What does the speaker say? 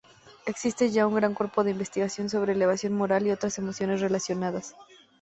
Existe ya un gran cuerpo de investigación sobre elevación moral y otras emociones relacionadas.